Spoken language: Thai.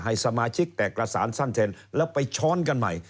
สมาชิกแตกกระสานสั้นเทนแล้วไปช้อนกันใหม่